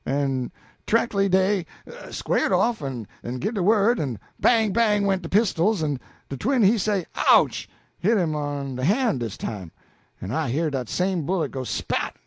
En treckly dey squared off en give de word, en bang bang went de pistols, en de twin he say, 'Ouch!' hit him on de han' dis time, en I hear dat same bullet go spat!